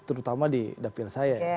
terutama di dapil saya